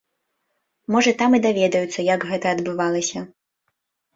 Можа там і даведаюцца, як гэта адбывалася.